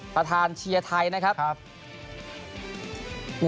ประธานเชียร์ไทย